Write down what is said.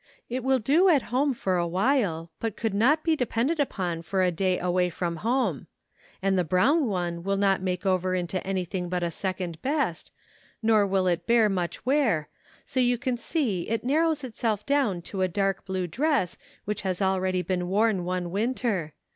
It will do at home for a while, but could not be depended upon for a day away from home ; and the brown one will not make over into any thing but a second best, nor will it bear much wear, so you see it narrows itself down to a dark blue dress which has already been worn one winter.